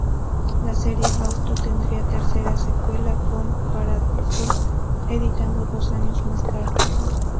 La serie aún tendría una tercera secuela, con "Paradiso", editado dos años más tarde.